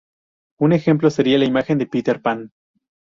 Un ejemplo sería la imagen de Peter Pan.